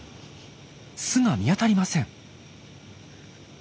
巣が見当たりません。